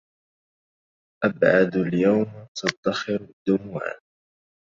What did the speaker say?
أبعد اليوم تدخر الدموعا